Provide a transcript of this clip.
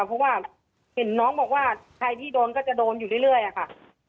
เพราะว่าเห็นน้องบอกว่าใครที่โดนก็จะโดนอยู่เรื่อยอะค่ะ